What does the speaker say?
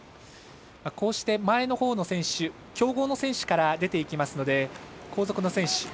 こうして前のほうの選手強豪の選手から出ていきますので後続の選手